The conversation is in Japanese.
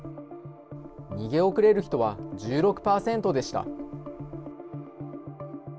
逃げ遅れる人は１６％でした。